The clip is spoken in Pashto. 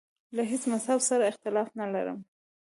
له هیڅ مذهب سره اختلاف نه لرم.